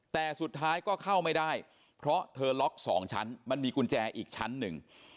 แต่สุดท้ายก็เข้าไม่ได้เพราะเธอล็อกสองชั้นมันมีกุญแจอีกชั้นหนึ่ง